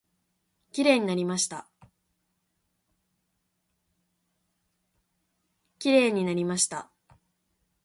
きれいになりました。